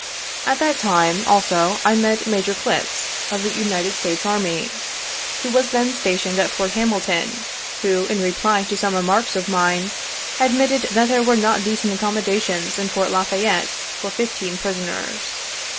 At that time, also, I met Major Clttz, of the United States Army, who was then stationed at Fort Hamilton, who, in reply to some remarks of mine, admitted that there were not decent accommodations in Fort La Fayette for fifteen prisoners.